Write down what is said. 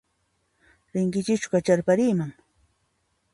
Rinkichischu kacharpariyman?